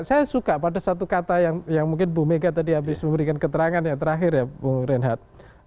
saya suka pada satu kata yang mungkin bu mega tadi habis memberikan keterangan ya terakhir ya bung reinhardt